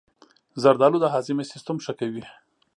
زردآلو د هاضمې سیستم ښه کوي.